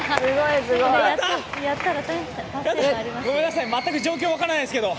ごめんなさい、全く状況分からないですけど。